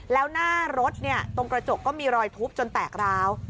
แล้วหน้ารถตรงกระจกก็มีรอยทุบจนแตกร้าว